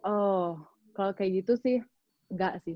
oh kalau kayak gitu sih enggak sih